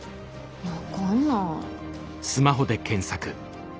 分かんない。